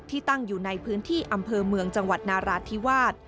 ตั้งอยู่ในพื้นที่อำเภอเมืองจังหวัดนาราธิวาส